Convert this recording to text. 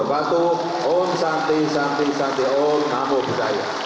untuk berkongsi tentang hal tersebut